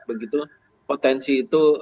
begitu potensi itu